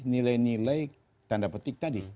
nilai nilai tanda petik tadi